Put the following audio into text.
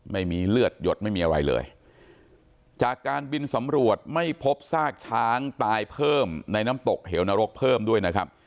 ไม่มีเลือดหยดไม่มีอะไรเลยจากการบินสำรวจไม่พบซากช้างตายเพิ่มในน้ำตกเหวนรกเพิ่มด้วยนะครับ